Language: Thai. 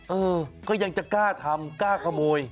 เออก็ยังจะกล้าทำกล้าขโมย